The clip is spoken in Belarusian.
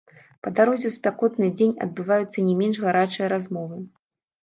Па дарозе ў спякотны дзень адбываюцца не менш гарачыя размовы.